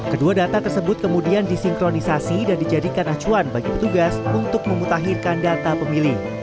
kedua data tersebut kemudian disinkronisasi dan dijadikan acuan bagi petugas untuk memutahirkan data pemilih